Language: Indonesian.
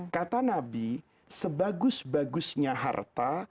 kata nabi sebagus bagusnya harta